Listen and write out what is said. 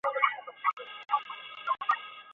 事后没有组织立即宣称对事件负责。